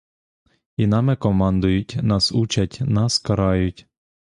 І нами командують, нас учать, нас карають.